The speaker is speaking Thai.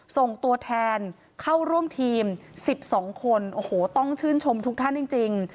ส่งตัวแทนเข้าร่วมทีม๑๒คนโอ้โหต้องชื่นชมทุกท่านจริง